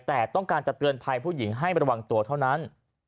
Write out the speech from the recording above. แต่ต้องการจะเตือนภัยผู้หญิงให้ระวังตัวเท่านั้น